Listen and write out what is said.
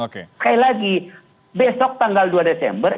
sekali lagi besok tanggal dua desember